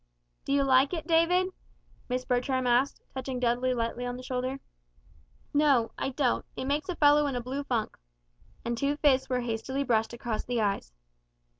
"Do you like it, David?" Miss Bertram asked, touching Dudley lightly on the shoulder. "No I don't it makes a fellow in a blue funk." And two fists were hastily brushed across the eyes.